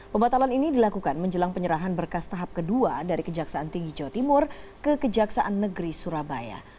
pembatalan ini dilakukan menjelang penyerahan berkas tahap kedua dari kejaksaan tinggi jawa timur ke kejaksaan negeri surabaya